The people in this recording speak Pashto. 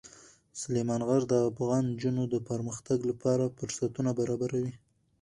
سلیمان غر د افغان نجونو د پرمختګ لپاره فرصتونه برابروي.